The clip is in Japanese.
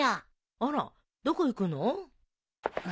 あらどこ行くの？